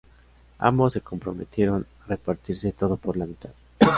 Ambos se comprometieron a repartirse todo por la mitad.